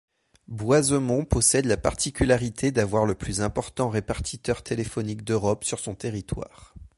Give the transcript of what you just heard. Boisemont possède la particularité d'avoir le plus important répartiteur téléphonique d'Europe sur son territoire.